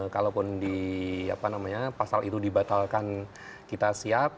kalaupun di apa namanya pasal itu dibatalkan kita siap